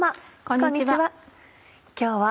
こんにちは。